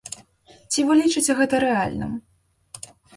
Ці вы лічыце гэта рэальным?